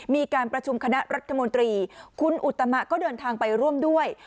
มีการประชุมคณะรัฐมนตรีคุณอุตมะก็เดินทางไปร่วมด้วย